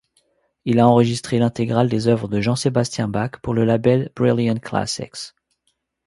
Il a enregistré l'intégrale des œuvres de Jean-Sébastien Bach pour le label Brilliant Classics.